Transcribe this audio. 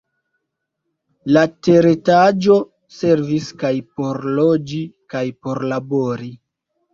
La teretaĝo servis kaj por loĝi kaj por labori.